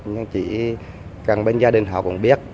nhưng chỉ cần bên gia đình họ cũng biết